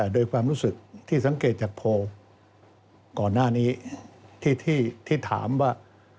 โดยความรู้สึกที่สังเกตจากโพลก่อนหน้านี้ที่ถามว่า